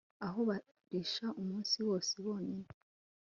Aho barisha umunsi wose bonyine